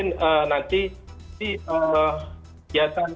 dan juga pemantauan pemantauan kita akan dapat mengetahui lebih lanjut bagaimana